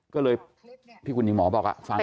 ก็เลยที่คุณหญิงหมอบอกฟัง